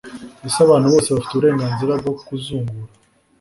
ese abantu bose bafite uburenganzira bwo kuzungura?